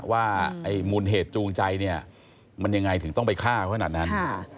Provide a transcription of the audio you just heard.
ว่าไอ้มูลเหตุจูงใจเนี่ยมันยังไงถึงต้องไปฆ่าเขาขนาดนั้น